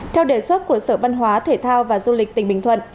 theo đề xuất của sở văn hóa thể thao và du lịch tỉnh bình thuận